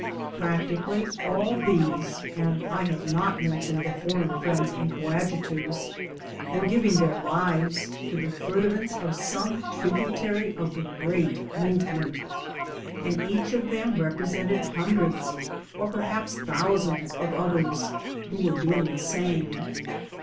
Practically all these (and I have not mentioned the foreign friends and coadjutors) were giving! their lives to the furtherance of some tributary of the great movement, and each of them represented hundreds or perhaps thousands of others who were doing the same.